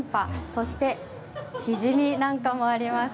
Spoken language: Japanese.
そしてチヂミなんかもあります。